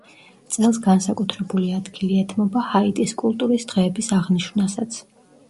წელს განსაკუთრებული ადგილი ეთმობა ჰაიტის კულტურის დღეების აღნიშვნასაც.